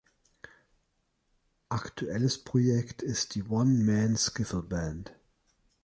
Aktuelles Projekt ist die One Man Skiffle Band.